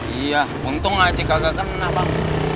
iya untung aja kagak kagak menang bang